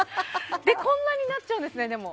こんなになっちゃうんですねでも。